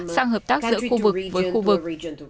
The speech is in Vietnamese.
sang hợp tác giữa khu vực với khu vực